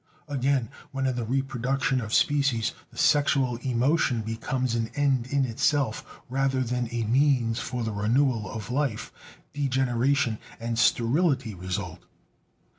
Again, when in the reproduction of species the sexual emotion becomes an end in itself rather than a means for the renewal of life, degeneration and sterility result.